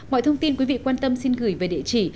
mọi thông tin quý vị quan tâm xin gửi về địa chỉ